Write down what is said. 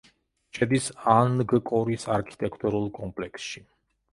შედის ანგკორის არქიტექტურულ კომპლექსში.